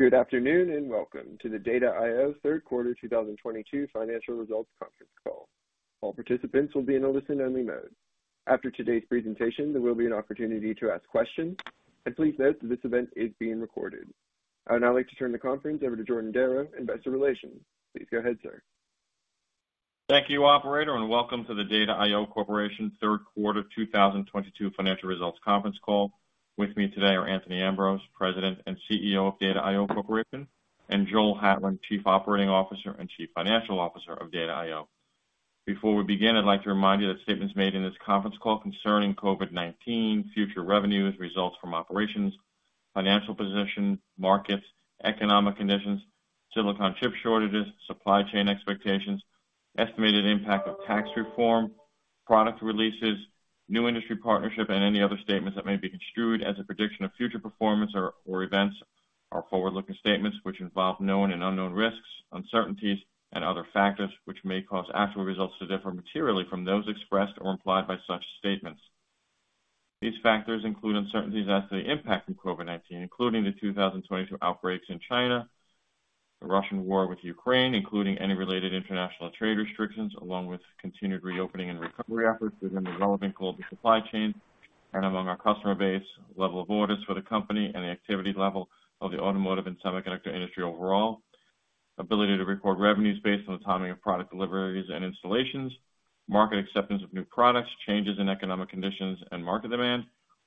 Good afternoon, and welcome to the Data I/O Third Quarter 2022 Financial Results Conference Call. All participants will be in a listen-only mode. After today's presentation, there will be an opportunity to ask questions. Please note that this event is being recorded. I would now like to turn the conference over to Jordan Darrow, Investor Relations. Please go ahead, sir. Thank you, operator, and welcome to the Data I/O Corporation third quarter 2022 financial results conference call. With me today are Anthony Ambrose, President and CEO of Data I/O Corporation, and Joel Hatlen, Chief Operating Officer and Chief Financial Officer of Data I/O. Before we begin, I'd like to remind you that statements made in this conference call concerning COVID-19, future revenues, results from operations, financial position, markets, economic conditions, silicon chip shortages, supply chain expectations, estimated impact of tax reform, product releases, new industry partnership, and any other statements that may be construed as a prediction of future performance or events are forward-looking statements which involve known and unknown risks, uncertainties and other factors which may cause actual results to differ materially from those expressed or implied by such statements. These factors include uncertainties as to the impact from COVID-19, including the 2022 outbreaks in China, the Russian war with Ukraine, including any related international trade restrictions, along with continued reopening and recovery efforts within the relevant global supply chain and among our customer base, level of orders for the company and the activity level of the automotive and semiconductor industry overall, ability to record revenues based on the timing of product deliveries and installations, market acceptance of new products, changes in economic conditions and market demand,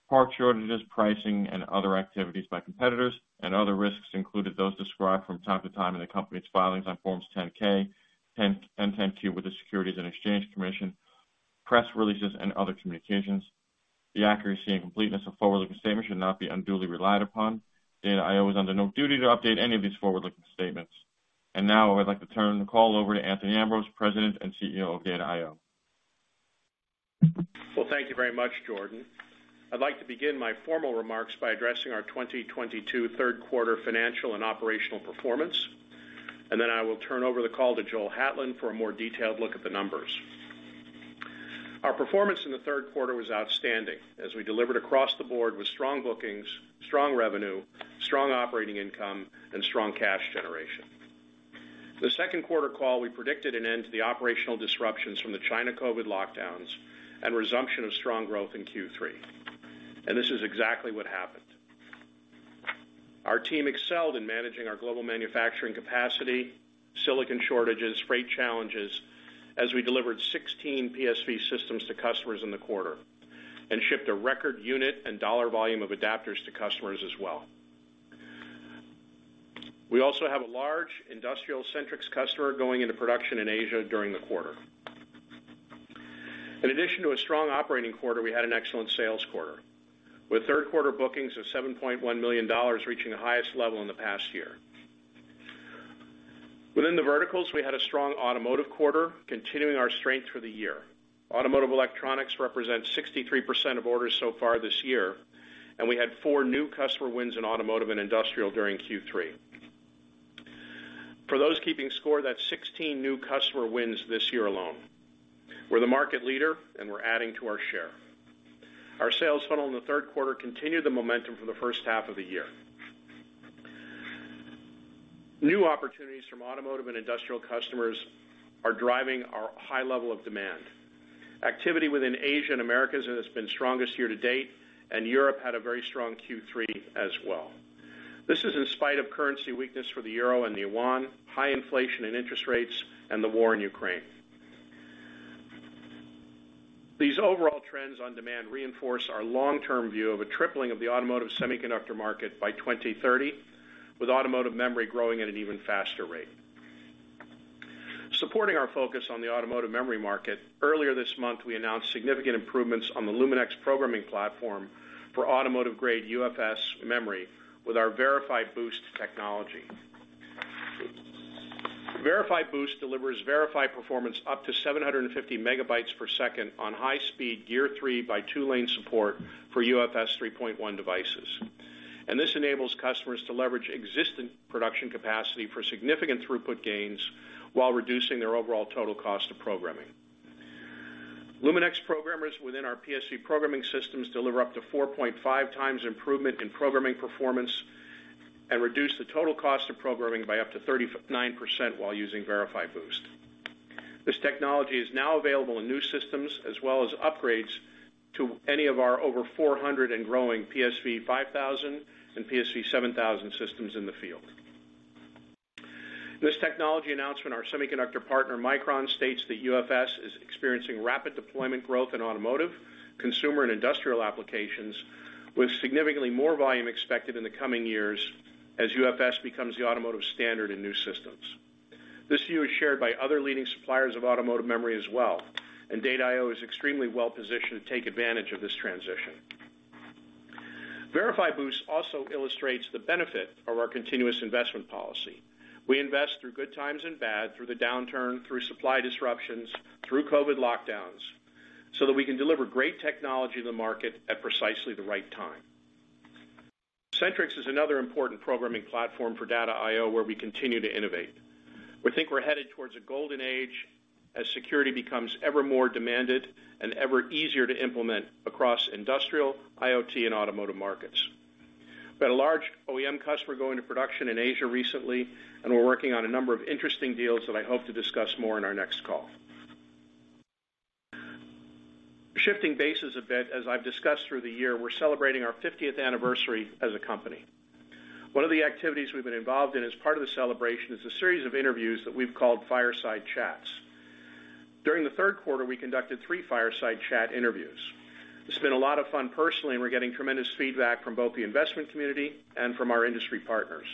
part shortages, pricing and other activities by competitors, and other risks including those described from time to time in the company's filings on Forms 10-K and 10-Q with the Securities and Exchange Commission, press releases and other communications. The accuracy and completeness of forward-looking statements should not be unduly relied upon. Data I/O is under no duty to update any of these forward-looking statements. Now, I would like to turn the call over to Anthony Ambrose, President and CEO of Data I/O. Well, thank you very much, Jordan. I'd like to begin my formal remarks by addressing our 2022 third quarter financial and operational performance, and then I will turn over the call to Joel Hatlen for a more detailed look at the numbers. Our performance in the third quarter was outstanding as we delivered across the board with strong bookings, strong revenue, strong operating income, and strong cash generation. The second quarter call, we predicted an end to the operational disruptions from the China COVID lockdowns and resumption of strong growth in Q3. This is exactly what happened. Our team excelled in managing our global manufacturing capacity, silicon shortages, freight challenges, as we delivered 16 PSV systems to customers in the quarter, and shipped a record unit and dollar volume of adapters to customers as well. We also have a large industrial SentriX customer going into production in Asia during the quarter. In addition to a strong operating quarter, we had an excellent sales quarter, with third quarter bookings of $7.1 million, reaching the highest level in the past year. Within the verticals, we had a strong automotive quarter, continuing our strength for the year. Automotive electronics represents 63% of orders so far this year, and we had four new customer wins in automotive and industrial during Q3. For those keeping score, that's 16 new customer wins this year alone. We're the market leader, and we're adding to our share. Our sales funnel in the third quarter continued the momentum for the first half of the year. New opportunities from automotive and industrial customers are driving our high level of demand. Activity within Asia and Americas has been strongest year to date, and Europe had a very strong Q3 as well. This is in spite of currency weakness for the euro and the yuan, high inflation and interest rates, and the war in Ukraine. These overall trends on demand reinforce our long-term view of a tripling of the automotive semiconductor market by 2030, with automotive memory growing at an even faster rate. Supporting our focus on the automotive memory market, earlier this month, we announced significant improvements on the LumenX programming platform for automotive-grade UFS memory with our VerifyBoost technology. VerifyBoost delivers verified performance up to 750 MB/s on high speed Gear 3 via two-lane support for UFS 3.1 devices. This enables customers to leverage existing production capacity for significant throughput gains while reducing their overall total cost of programming. LumenX programmers within our PSV programming systems deliver up to 4.5 times improvement in programming performance and reduce the total cost of programming by up to 39% while using VerifyBoost. This technology is now available in new systems, as well as upgrades to any of our over 400 and growing PSV5000 and PSV7000 systems in the field. In this technology announcement, our semiconductor partner, Micron, states that UFS is experiencing rapid deployment growth in automotive, consumer, and industrial applications, with significantly more volume expected in the coming years as UFS becomes the automotive standard in new systems. This view is shared by other leading suppliers of automotive memory as well, and Data I/O is extremely well-positioned to take advantage of this transition. VerifyBoost also illustrates the benefit of our continuous investment policy. We invest through good times and bad, through the downturn, through supply disruptions, through COVID lockdowns, so that we can deliver great technology to the market at precisely the right time. SentriX is another important programming platform for Data I/O, where we continue to innovate. We think we're headed towards a golden age as security becomes ever more demanded and ever easier to implement across industrial, IoT, and automotive markets. We had a large OEM customer go into production in Asia recently, and we're working on a number of interesting deals that I hope to discuss more in our next call. Shifting bases a bit, as I've discussed through the year, we're celebrating our 50th anniversary as a company. One of the activities we've been involved in as part of the celebration is a series of interviews that we've called Fireside Chats. During the third quarter, we conducted three Fireside Chats interviews. It's been a lot of fun personally, and we're getting tremendous feedback from both the investment community and from our industry partners.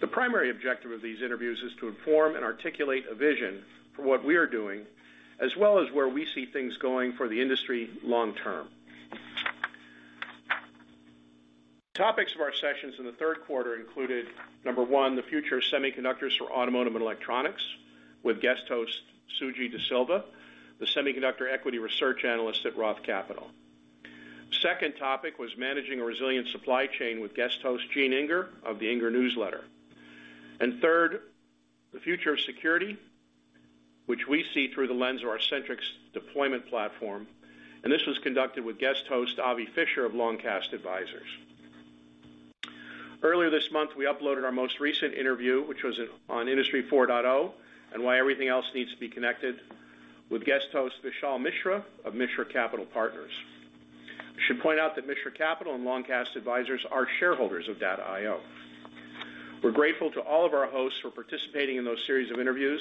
The primary objective of these interviews is to inform and articulate a vision for what we are doing, as well as where we see things going for the industry long term. Topics of our sessions in the third quarter included, number one, the future of semiconductors for automotive and electronics with guest host Suji DeSilva, the semiconductor equity research analyst at Roth Capital. Second topic was managing a resilient supply chain with guest host Gene Inger of the Inger Newsletter. Third, the future of security, which we see through the lens of our SentriX deployment platform. This was conducted with guest host Avi Fisher of Long Cast Advisers. Earlier this month, we uploaded our most recent interview, which was on Industry 4.0, and why everything else needs to be connected, with guest host Vishal Mishra of Mishra Capital Partners. I should point out that Mishra Capital and Long Cast Advisers are shareholders of Data I/O. We're grateful to all of our hosts for participating in those series of interviews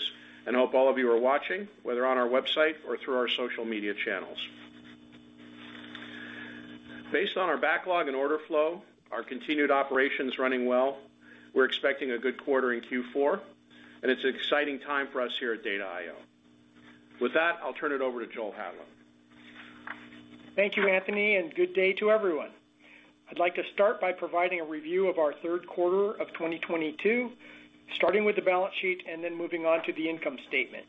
and hope all of you are watching, whether on our website or through our social media channels. Based on our backlog and order flow, our continued operations running well, we're expecting a good quarter in Q4, and it's an exciting time for us here at Data I/O. With that, I'll turn it over to Joel Hatlen. Thank you, Anthony, and good day to everyone. I'd like to start by providing a review of our third quarter of 2022, starting with the balance sheet and then moving on to the income statement.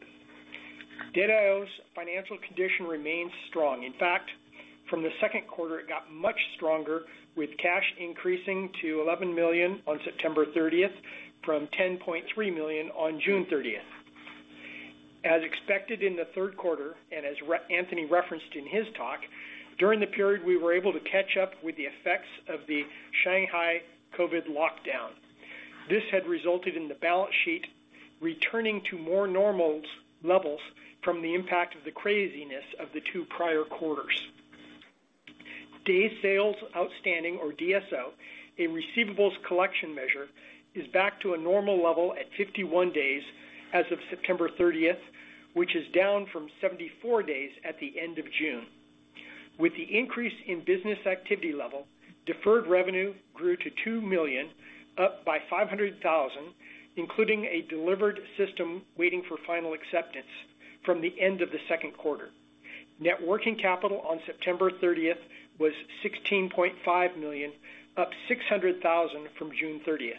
Data I/O's financial condition remains strong. In fact, from the second quarter, it got much stronger, with cash increasing to $11 million on September 30th from $10.3 million on June 30th. As expected in the third quarter, and as Anthony referenced in his talk, during the period, we were able to catch up with the effects of the Shanghai COVID lockdown. This had resulted in the balance sheet returning to more normal levels from the impact of the craziness of the two prior quarters. Days sales outstanding or DSO, a receivables collection measure, is back to a normal level at 51 days as of September 30th, which is down from 74 days at the end of June. With the increase in business activity level, deferred revenue grew to $2 million, up by $500,000, including a delivered system waiting for final acceptance from the end of the second quarter. Net working capital on September 30th was $16.5 million, up $600,000 from June 30th.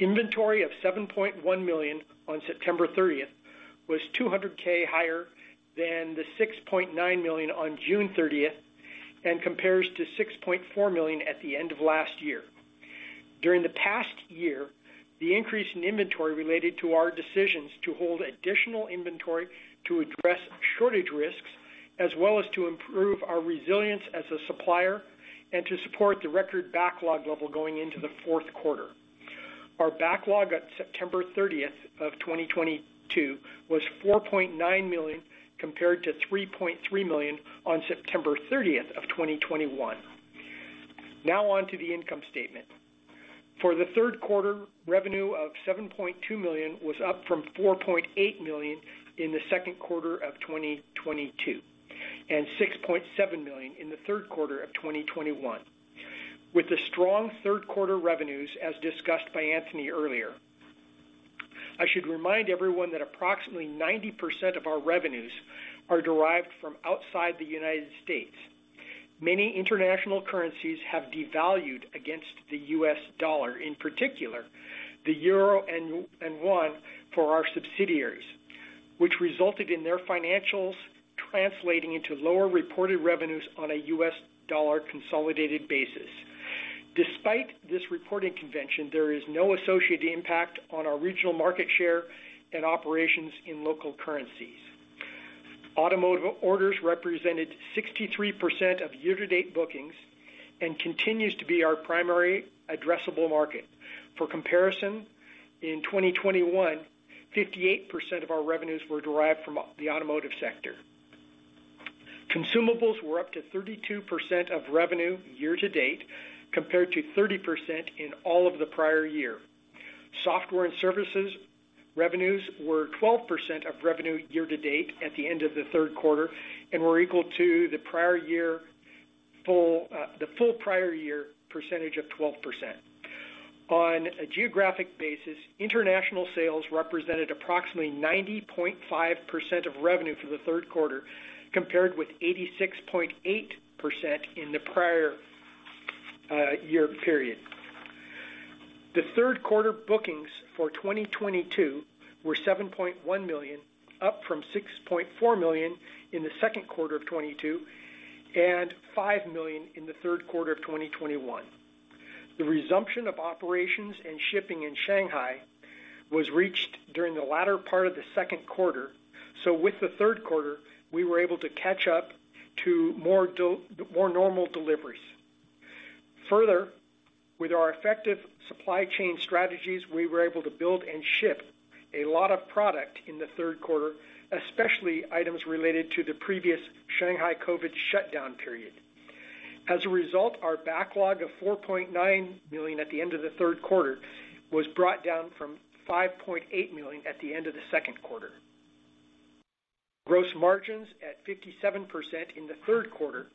Inventory of $7.1 million on September 30th was $200,000 higher than the $6.9 million on June 30th and compares to $6.4 million at the end of last year. During the past year, the increase in inventory related to our decisions to hold additional inventory to address shortage risks, as well as to improve our resilience as a supplier and to support the record backlog level going into the fourth quarter. Our backlog at September 30th, 2022 was $4.9 million, compared to $3.3 million on September 30th, 2021. Now on to the income statement. For the third quarter, revenue of $7.2 million was up from $4.8 million in the second quarter of 2022 and $6.7 million in the third quarter of 2021. With the strong third quarter revenues, as discussed by Anthony earlier, I should remind everyone that approximately 90% of our revenues are derived from outside the United States. Many international currencies have devalued against the U.S. dollar, in particular the euro and won for our subsidiaries, which resulted in their financials translating into lower reported revenues on a U.S. dollar consolidated basis. Despite this reporting convention, there is no associated impact on our regional market share and operations in local currencies. Automotive orders represented 63% of year-to-date bookings and continues to be our primary addressable market. For comparison, in 2021, 58% of our revenues were derived from the automotive sector. Consumables were up to 32% of revenue year to date, compared to 30% in all of the prior year. Software and services revenues were 12% of revenue year to date at the end of the third quarter and were equal to the full prior year percentage of 12%. On a geographic basis, international sales represented approximately 90.5% of revenue for the third quarter, compared with 86.8% in the prior year period. The third quarter bookings for 2022 were $7.1 million, up from $6.4 million in the second quarter of 2022 and $5 million in the third quarter of 2021. The resumption of operations and shipping in Shanghai was reached during the latter part of the second quarter. With the third quarter, we were able to catch up to more normal deliveries. Further, with our effective supply chain strategies, we were able to build and ship a lot of product in the third quarter, especially items related to the previous Shanghai COVID shutdown period. As a result, our backlog of $4.9 million at the end of the third quarter was brought down from $5.8 million at the end of the second quarter. Gross margins at 57% in the third quarter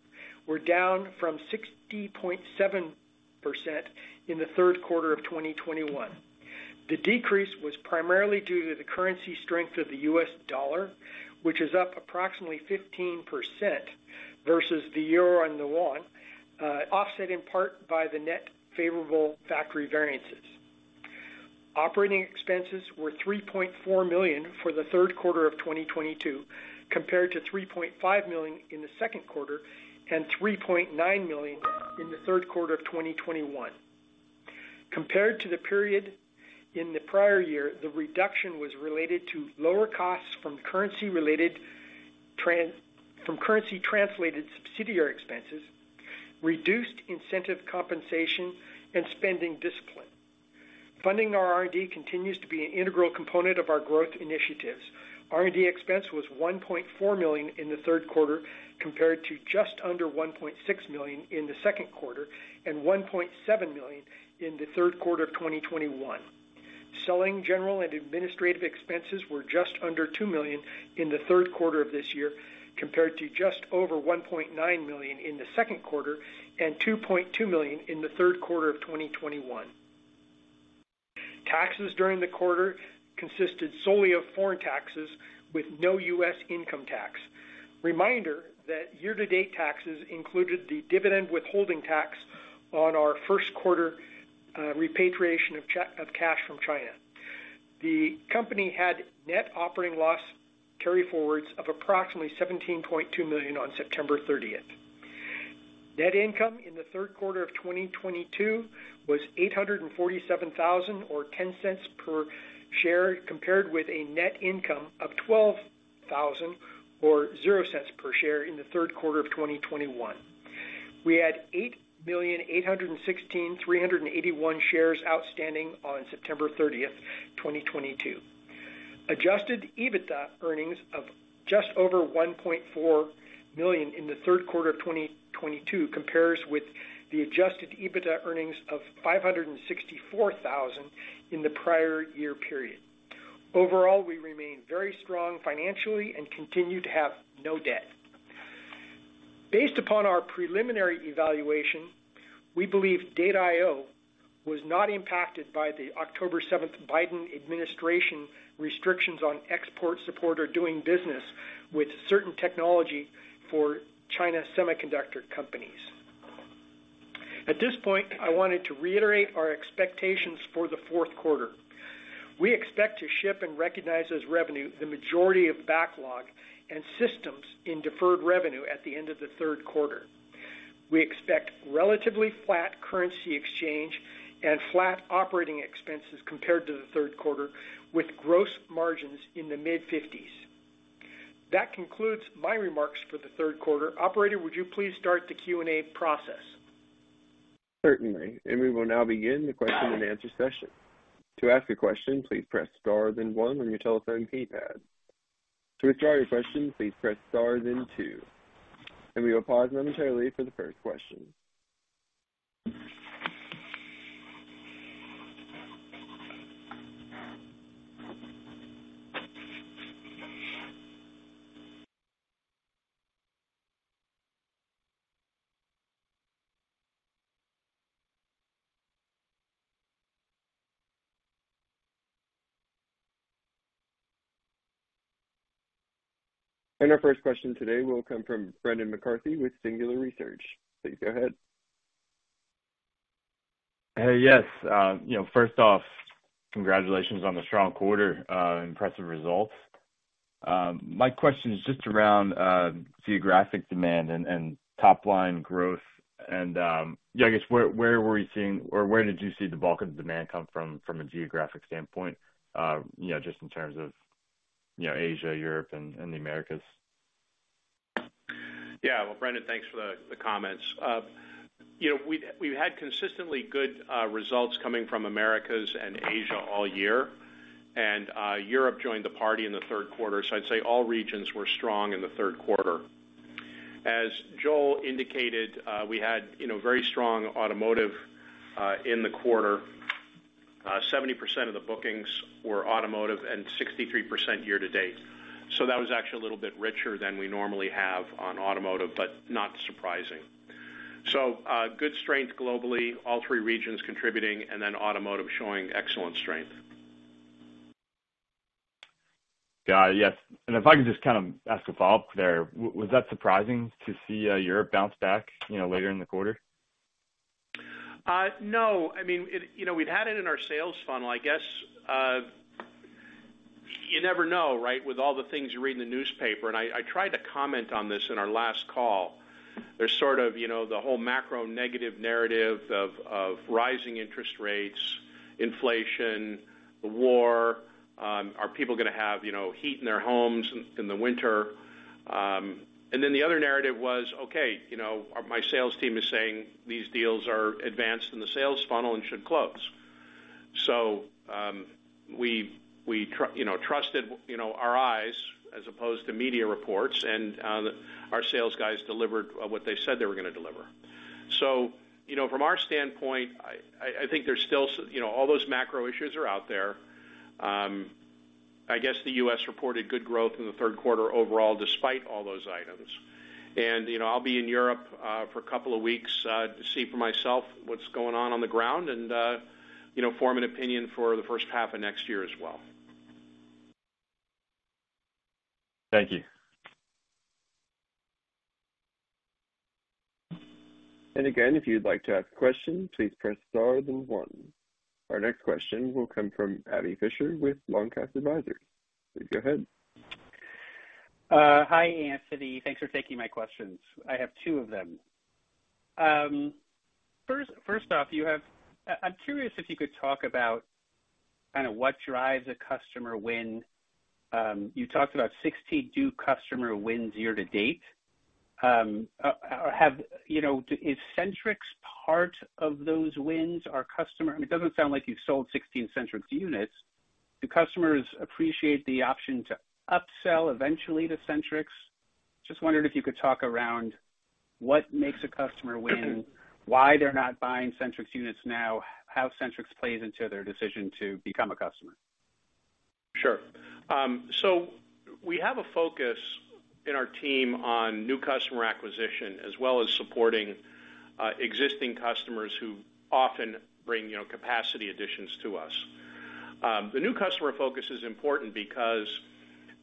were down from 60.7% in the third quarter of 2021. The decrease was primarily due to the currency strength of the U.S. dollar, which is up approximately 15% versus the euro and the won, offset in part by the net favorable factory variances. Operating expenses were $3.4 million for the third quarter of 2022, compared to $3.5 million in the second quarter and $3.9 million in the third quarter of 2021. Compared to the period in the prior year, the reduction was related to lower costs from currency-translated subsidiary expenses, reduced incentive compensation and spending discipline. Funding our R&D continues to be an integral component of our growth initiatives. R&D expense was $1.4 million in the third quarter, compared to just under $1.6 million in the second quarter and $1.7 million in the third quarter of 2021. Selling general and administrative expenses were just under $2 million in the third quarter of this year, compared to just over $1.9 million in the second quarter and $2.2 million in the third quarter of 2021. Taxes during the quarter consisted solely of foreign taxes with no U.S. income tax. Reminder that year-to-date taxes included the dividend withholding tax on our first quarter repatriation of cash from China. The company had net operating loss carryforwards of approximately $17.2 million on September 30th. Net income in the third quarter of 2022 was $847,000 or $0.10 per share, compared with a net income of $12,000 or $0.00 per share in the third quarter of 2021. We had 8,816,381 shares outstanding on September 30th, 2022. Adjusted EBITDA earnings of just over $1.4 million in the third quarter of 2022 compares with the adjusted EBITDA earnings of $564,000 in the prior year period. Overall, we remain very strong financially and continue to have no debt. Based upon our preliminary evaluation, we believe Data I/O was not impacted by the October 7th Biden administration restrictions on export support or doing business with certain technology for China semiconductor companies. At this point, I wanted to reiterate our expectations for the fourth quarter. We expect to ship and recognize as revenue the majority of backlog and systems in deferred revenue at the end of the third quarter. We expect relatively flat currency exchange and flat operating expenses compared to the third quarter, with gross margins in the mid-50s. That concludes my remarks for the third quarter. Operator, would you please start the Q&A process? Certainly. We will now begin the question and answer session. To ask a question, please press star then one on your telephone keypad. To withdraw your question, please press star then two. We will pause momentarily for the first question. Our first question today will come from Brendan McCarthy with Singular Research. Please go ahead. Hey, yes, you know, first off, congratulations on the strong quarter, impressive results. My question is just around geographic demand and top line growth and, yeah, I guess where were you seeing or where did you see the bulk of demand come from a geographic standpoint? You know, just in terms of, you know, Asia, Europe and the Americas. Yeah. Well, Brendan, thanks for the comments. You know, we've had consistently good results coming from Americas and Asia all year, and Europe joined the party in the third quarter. I'd say all regions were strong in the third quarter. As Joel indicated, we had very strong automotive in the quarter. 70% of the bookings were automotive and 63% year to date. That was actually a little bit richer than we normally have on automotive, but not surprising. Good strength globally, all three regions contributing, and then automotive showing excellent strength. Got it. Yes. If I can just kind of ask a follow-up there. Was that surprising to see, Europe bounce back, you know, later in the quarter? No. I mean, it, you know, we'd had it in our sales funnel, I guess. You never know, right, with all the things you read in the newspaper, and I tried to comment on this in our last call. There's sort of, you know, the whole macro negative narrative of rising interest rates, inflation, the war, are people gonna have, you know, heat in their homes in the winter. Then the other narrative was, okay, you know, my sales team is saying these deals are advanced in the sales funnel and should close. We trusted, you know, our eyes as opposed to media reports and our sales guys delivered what they said they were gonna deliver. You know, from our standpoint, I think there's still, you know, all those macro issues are out there. I guess the U.S. reported good growth in the third quarter overall, despite all those items. You know, I'll be in Europe for a couple of weeks to see for myself what's going on on the ground and form an opinion for the first half of next year as well. Thank you. Again, if you'd like to ask questions, please press star then one. Our next question will come from Avi Fisher with Long Cast Advisers. Please go ahead. Hi, Anthony. Thanks for taking my questions. I have two of them. First off, I'm curious if you could talk about kinda what drives a customer win. You talked about 60 new customer wins year to date. You know, is SentriX part of those wins? It doesn't sound like you've sold 16 SentriX units. Do customers appreciate the option to upsell eventually to SentriX? Just wondered if you could talk around what makes a customer win, why they're not buying SentriX units now, how SentriX plays into their decision to become a customer. Sure. We have a focus in our team on new customer acquisition as well as supporting, existing customers who often bring, you know, capacity additions to us. The new customer focus is important because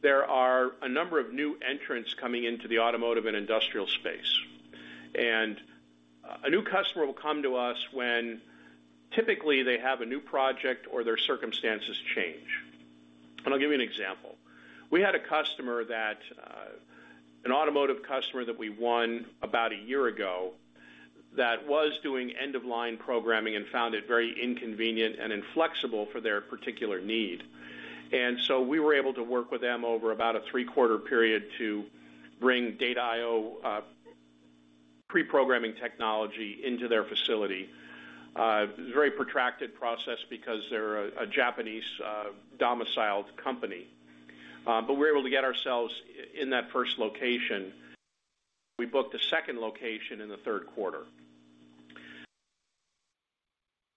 there are a number of new entrants coming into the automotive and industrial space. A new customer will come to us when typically they have a new project or their circumstances change. I'll give you an example. We had a customer that, an automotive customer that we won about a year ago that was doing end-of-line programming and found it very inconvenient and inflexible for their particular need. We were able to work with them over about a three-quarter period to bring Data I/O pre-programming technology into their facility. It was a very protracted process because they're a Japanese domiciled company. We were able to get ourselves in that first location. We booked a second location in the third quarter.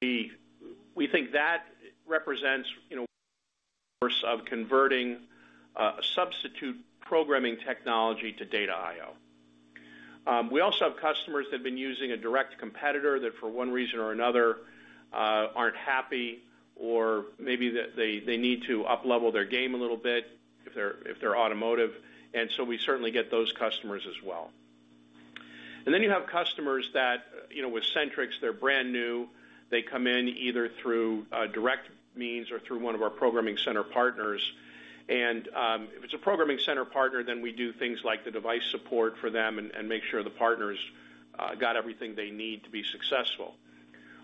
We think that represents, you know, of converting a substitute programming technology to Data I/O. We also have customers that have been using a direct competitor that for one reason or another aren't happy or maybe that they need to uplevel their game a little bit if they're automotive. We certainly get those customers as well. You have customers that, you know, with SentriX, they're brand new. They come in either through a direct means or through one of our programming center partners. If it's a programming center partner, then we do things like the device support for them and make sure the partners got everything they need to be successful.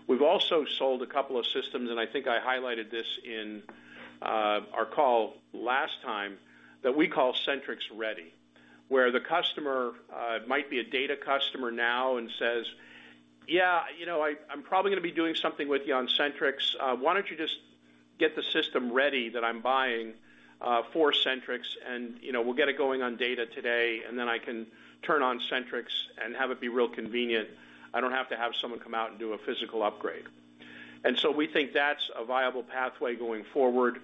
We've also sold a couple of systems, and I think I highlighted this in our call last time, that we call SentriX Ready, where the customer might be a data customer now and says, "Yeah, you know, I'm probably gonna be doing something with you on SentriX. Why don't you just get the system ready that I'm buying for SentriX, and, you know, we'll get it going on data today, and then I can turn on SentriX and have it be real convenient. I don't have to have someone come out and do a physical upgrade." We think that's a viable pathway going forward.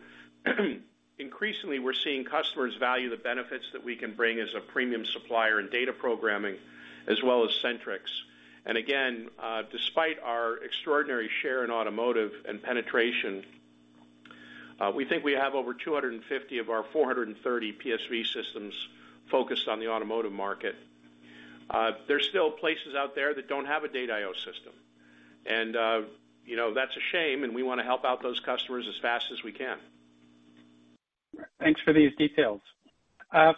Increasingly, we're seeing customers value the benefits that we can bring as a premium supplier in data programming as well as SentriX. Again, despite our extraordinary share in automotive and penetration, we think we have over 250 of our 430 PSV systems focused on the automotive market. There's still places out there that don't have a Data I/O system. You know, that's a shame, and we wanna help out those customers as fast as we can. Thanks for these details.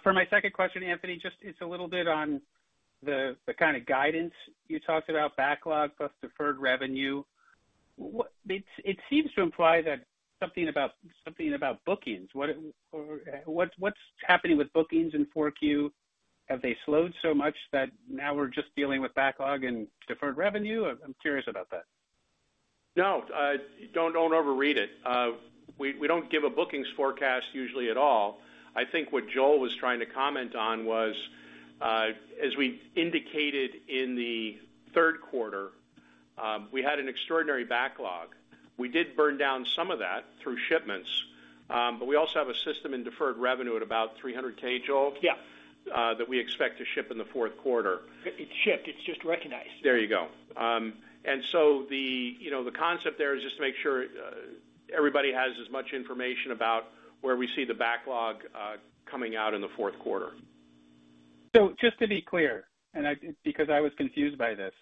For my second question, Anthony, just it's a little bit on the kind of guidance you talked about backlog plus deferred revenue. What? It seems to imply something about bookings. Or what's happening with bookings in 4Q? Have they slowed so much that now we're just dealing with backlog and deferred revenue? I'm curious about that. No. Don't overread it. We don't give a bookings forecast usually at all. I think what Joel was trying to comment on was, as we indicated in the third quarter, we had an extraordinary backlog. We did burn down some of that through shipments, but we also have a system in deferred revenue at about $300,000, Joel? Yeah. That we expect to ship in the fourth quarter. It shipped. It's just recognized. There you go. The, you know, the concept there is just to make sure everybody has as much information about where we see the backlog coming out in the fourth quarter. Just to be clear, because I was confused by this,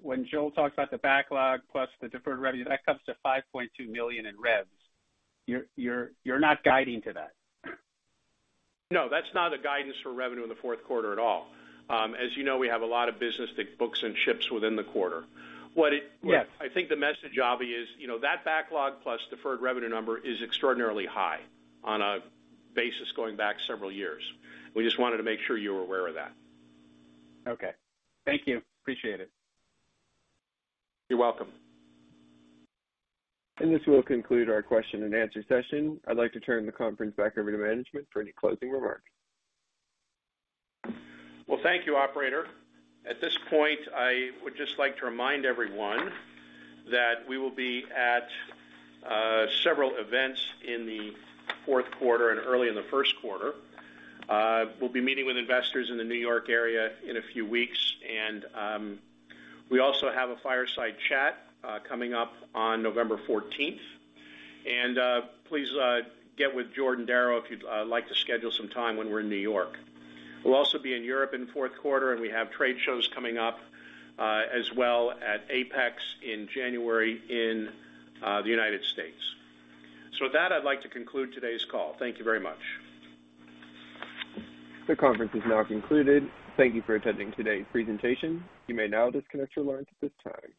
when Joel talks about the backlog plus the deferred revenue, that comes to $5.2 million in revs. You're not guiding to that? No, that's not a guidance for revenue in the fourth quarter at all. As you know, we have a lot of business that books and ships within the quarter. What it- Yes. I think the message, Avi, is, you know, that backlog plus deferred revenue number is extraordinarily high on a basis going back several years. We just wanted to make sure you were aware of that. Okay. Thank you. Appreciate it. You're welcome. This will conclude our question and answer session. I'd like to turn the conference back over to management for any closing remarks. Well, thank you, operator. At this point, I would just like to remind everyone that we will be at several events in the fourth quarter and early in the first quarter. We'll be meeting with investors in the New York area in a few weeks. We also have a Fireside Chat coming up on November 14th. Please get with Jordan Darrow if you'd like to schedule some time when we're in New York. We'll also be in Europe in the fourth quarter, and we have trade shows coming up as well at APEX in January in the United States. With that, I'd like to conclude today's call. Thank you very much. The conference is now concluded. Thank you for attending today's presentation. You may now disconnect your lines at this time.